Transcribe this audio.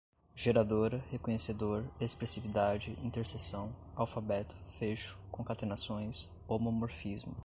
geradora, reconhecedor, expressividade, interseção, alfabeto, fecho, concatenações, homomorfismo